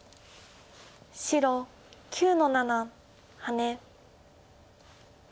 白９の七ハネ。